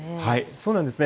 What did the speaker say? そうなんですね。